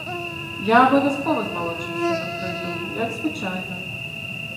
Я абавязкова з малодшым сынам прыйду, як звычайна.